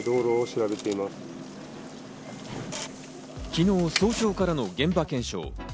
昨日、早朝からの現場検証。